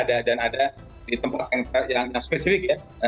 dan ada di tempat yang spesifik